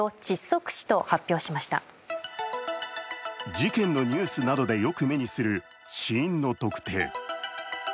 事件のニュースなどでよく目にする死因の特定。